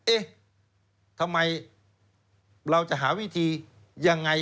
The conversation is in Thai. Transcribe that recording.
เอ๊ะทำไมเราจะหาวิธียังไง